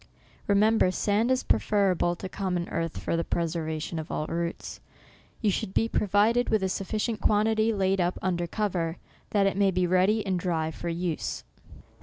Remember sand is preferable to common earth for the preservation of all roots. You should be provided with a sufficient quantity laid up under cover, that it may be ready and dry for use.